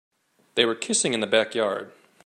They were kissing in the backyard.